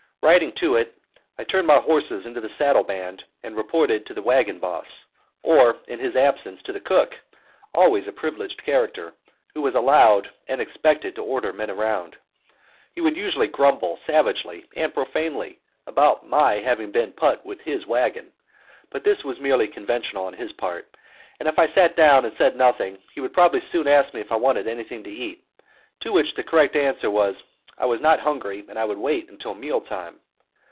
Riding to it, I turned my horses into the saddle band and reported to the wagon boss, or, in his absence, to the cook always a privileged character, who was allowed and expected to order men around. He would usually grumble savagely and profanely about my having been put with his wagon, but this was merely conventional on his part; and if I sat down and said nothing he would probably soon ask me if I wanted anything to eat, to which the correct answer was that I was not hungry and would wait until meal time.